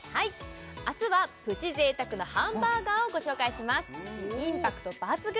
明日はプチ贅沢なハンバーガーをご紹介しますインパクト抜群！